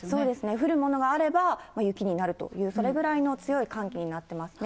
降るものがあれば、雪になるという、それぐらいの強い寒気になってますね。